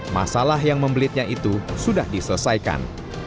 masalah yang membelitnya itu sudah diselesaikan